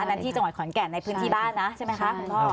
นั้นที่จังหวัดขอนแก่นในพื้นที่บ้านนะใช่ไหมคะคุณพ่อ